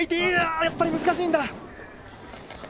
やっぱり難しいんだ。